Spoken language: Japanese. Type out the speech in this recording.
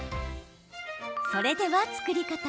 それでは作り方。